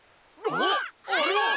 あっあれは！